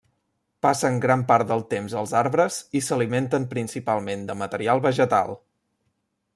Passen gran part del temps als arbres i s'alimenten principalment de material vegetal.